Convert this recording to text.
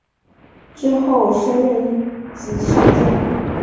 之后升任一级上将。